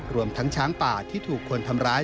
รวมทั้งช้างป่าที่ถูกคนทำร้าย